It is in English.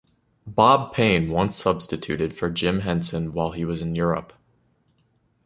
Bob Payne once substituted for Jim Henson while he was in Europe.